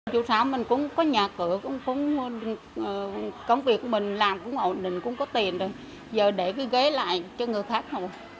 chủ xã mình cũng có nhà cửa công việc mình làm cũng ổn định cũng có tiền rồi giờ để cái ghế lại cho người khác thôi